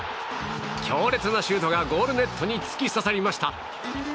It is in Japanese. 強烈なシュートがゴールネットに突き刺さりました。